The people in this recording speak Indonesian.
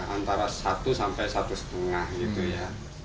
antara satu sampai satu lima gitu ya